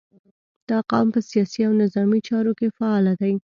• دا قوم په سیاسي او نظامي چارو کې فعال دی.